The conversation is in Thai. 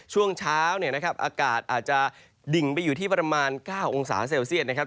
ช่วงเช้าเนี่ยนะครับอากาศอาจจะดิ่งไปอยู่ที่ประมาณ๙องศาเซลเซียตนะครับ